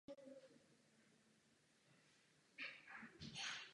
Nepřestaneme, dokud nebudou stanoveny rovné podmínky hospodářské soutěže.